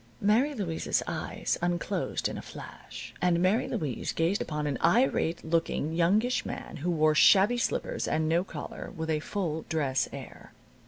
Mary Louise's eyes unclosed in a flash, and Mary Louise gazed upon an irate looking, youngish man, who wore shabby slippers, and no collar with a full dress air.